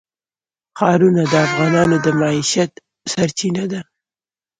ښارونه د افغانانو د معیشت سرچینه ده.